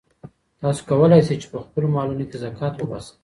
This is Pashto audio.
تاسو کولای شئ چې په خپلو مالونو کې زکات وباسئ.